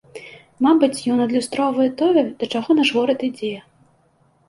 Мабыць, ён адлюстроўвае тое, да чаго наш горад ідзе.